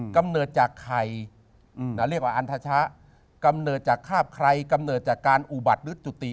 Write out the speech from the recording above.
กำเนิดจากใครเรียกว่าอันทชะกำเนิดจากคาบใครกำเนิดจากการอุบัติหรือจุติ